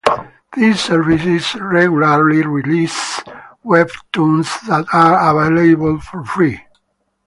These services regularly release webtoons that are available for free.